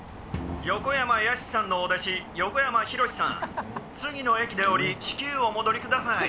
横山やすしさんのお弟子、横山ひろしさん、次の駅で降り、至急お戻りください。